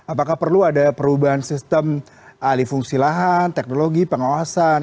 apakah perlu ada perubahan sistem alih fungsi lahan teknologi pengawasan